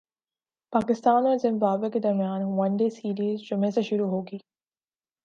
پاکستان اور زمبابوے کے درمیان ون ڈے سیریز جمعہ سے شروع ہوگی